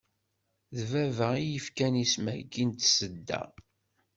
D baba iyi-ifkan isem-agi n Tasedda.